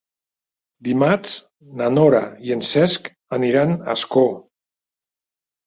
Dimarts na Nora i en Cesc aniran a Ascó.